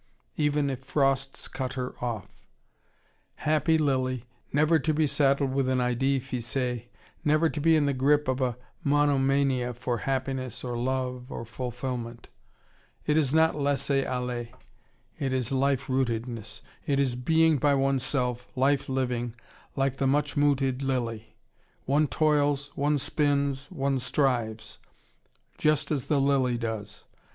even if frosts cut her off. Happy lily, never to be saddled with an idee fixe, never to be in the grip of a monomania for happiness or love or fulfilment. It is not laisser aller. It is life rootedness. It is being by oneself, life living, like the much mooted lily. One toils, one spins, one strives: just as the lily does.